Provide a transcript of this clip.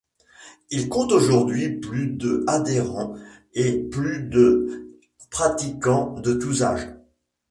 Il compte aujourd'hui plus de adhérents et plus de pratiquants de tous âges.